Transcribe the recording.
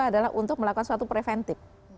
adalah untuk melakukan suatu preventif